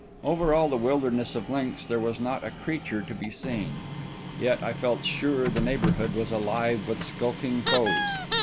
Over all the wilderness of links there was not a creature to be seen. Yet I felt sure the neighbourhood was alive with skulking foes.